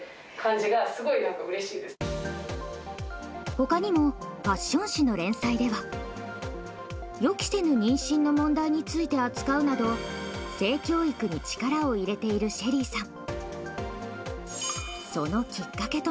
他にもファッション誌の連載では予期せぬ妊娠の問題について扱うなど性教育に力を入れているＳＨＥＬＬＹさん。